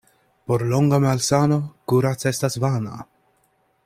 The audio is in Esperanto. Por longa malsano kurac' estas vana.